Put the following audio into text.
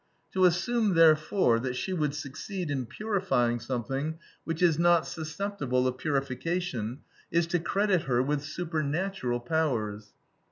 To assume, therefore, that she would succeed in purifying something which is not susceptible of purification, is to credit her with supernatural powers.